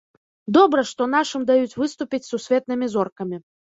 Добра, што нашым даюць выступіць з сусветнымі зоркамі.